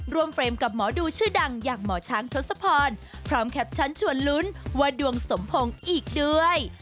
เฟรมกับหมอดูชื่อดังอย่างหมอช้างทศพรพร้อมแคปชั่นชวนลุ้นว่าดวงสมพงศ์อีกด้วย